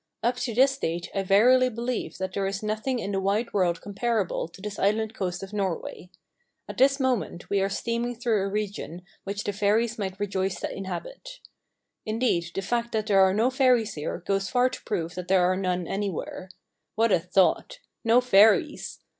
Up to this date I verily believe that there is nothing in the wide world comparable to this island coast of Norway. At this moment we are steaming through a region which the fairies might rejoice to inhabit. Indeed, the fact that there are no fairies here goes far to prove that there are none anywhere. What a thought! No fairies?